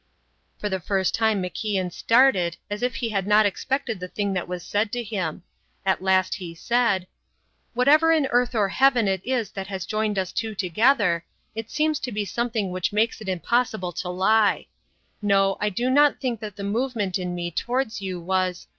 For the first time MacIan started as if he had not expected the thing that was said to him. At last he said: "Whatever in earth or heaven it is that has joined us two together, it seems to be something which makes it impossible to lie. No, I do not think that the movement in me towards you was...